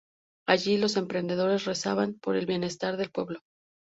Allí, los emperadores rezaban por el bienestar del pueblo.